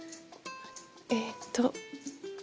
えっと。